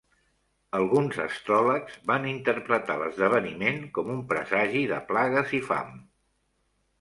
Alguns astròlegs van interpretar l'esdeveniment com un presagi de plagues i fam.